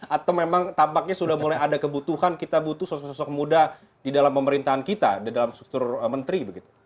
atau memang tampaknya sudah mulai ada kebutuhan kita butuh sosok sosok muda di dalam pemerintahan kita di dalam struktur menteri begitu